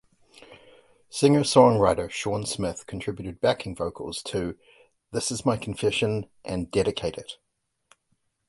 Singer-songwriter Shawn Smith contributed backing vocals to "This Is My Confession" and "Dedicate It".